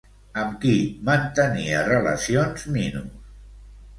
Amb qui mantenia relacions Minos?